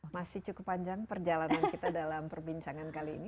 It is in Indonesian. masih cukup panjang perjalanan kita dalam perbincangan kali ini